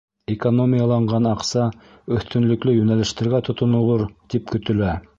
Экономияланған аҡса өҫтөнлөклө йүнәлештәргә тотонолор, тип көтөлә.